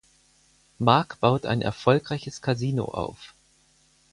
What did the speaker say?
Mark baut ein erfolgreiches Kasino auf.